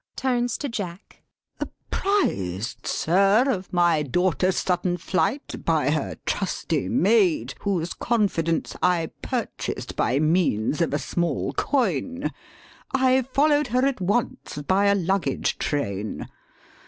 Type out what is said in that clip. [Turns to Jack.] Apprised, sir, of my daughter's sudden flight by her trusty maid, whose confidence I purchased by means of a small coin, I followed her at once by a luggage train.